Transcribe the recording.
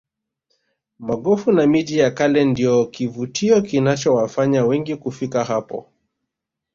magofu na miji ya kale ndiyo kivutio kinachowafanya wengi kufika hapo